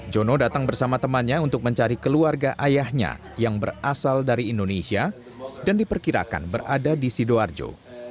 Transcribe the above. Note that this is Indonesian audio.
jono datang bersama temannya untuk mencari keluarga ayahnya yang berasal dari indonesia dan diperkirakan berada di sidoarjo